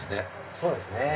そうですね。